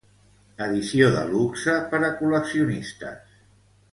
Edició de luxe per a col·leccionistes.